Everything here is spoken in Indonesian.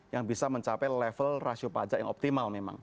yang bisa mencapai level rasio pajak yang optimal memang